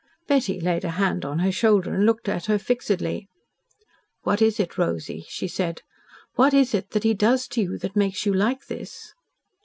Betty laid a hand on her shoulder and looked at her fixedly. "What is it, Rosy?" she said. "What is it he does to you that makes you like this?"